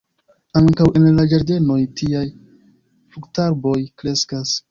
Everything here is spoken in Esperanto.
Ankaŭ en la ĝardenoj tiaj fruktarboj kreskas.